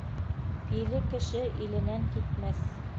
Пиле кеше иленән китмәҫ.